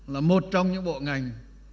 là một trong những bộ ngành